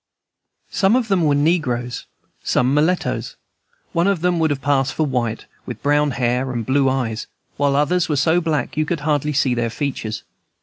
Some of them were negroes, some mulattoes. One of them would have passed for white, with brown hair and blue eyes, while others were so black you could hardly see their features.